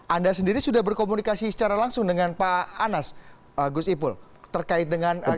anda sendiri sudah berkomunikasi secara langsung dengan pak anas gus ipul terkait dengan